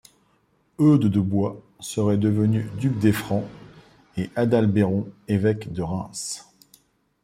Eudes de Blois serait devenu duc des Francs et Adalbéron évêque de Reims.